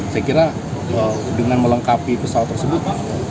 saya kira dengan melengkapi pesawat tersebut